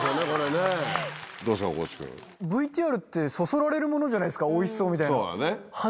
Ｖそそられるものじゃないですかおいしそうみたいな。